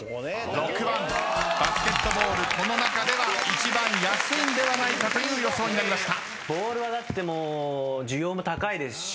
バスケットボールこの中では一番安いんではないかという予想になりました。